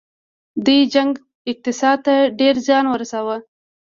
دې جنګ اقتصاد ته ډیر زیان ورساوه.